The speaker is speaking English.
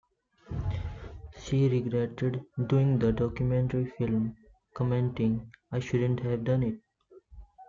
She regretted doing the documentary film, commenting, I shouldn't have done it!